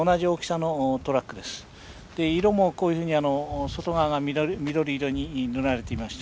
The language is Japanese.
色もこういうふうに外側が緑色に塗られていました。